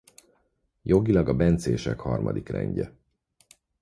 Jogilag a bencések harmadik rendje.